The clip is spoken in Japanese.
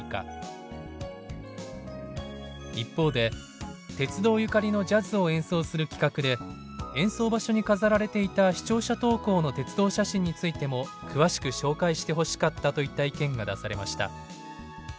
一方で「鉄道ゆかりのジャズを演奏する企画で演奏場所に飾られていた視聴者投稿の鉄道写真についても詳しく紹介してほしかった」といった意見が出されました。